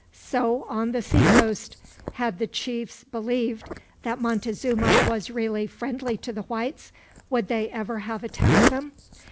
"So on the seacoast. Had the chiefs believed that Montezuma was really friendly to the whites, would they ever have attacked them?